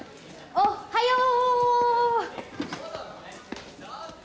おっはよう！